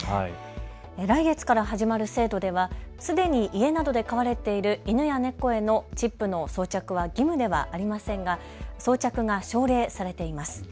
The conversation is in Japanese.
来月から始まる制度ではすでに家などで飼われている犬や猫へのチップの装着は義務ではありませんが装着が奨励されています。